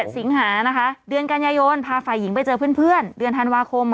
สิงหานะคะเดือนกันยายนพาฝ่ายหญิงไปเจอเพื่อนเดือนธันวาคม